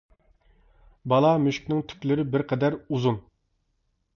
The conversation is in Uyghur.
بالا مۈشۈكنىڭ تۈكلىرى بىر قەدەر ئۇزۇن.